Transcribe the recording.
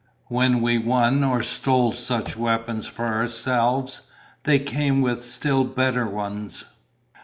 When we won or stole such weapons for ourselves, they came with still better ones.